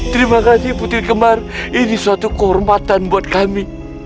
terima kasih putri kembar ini suatu kehormatan buat kami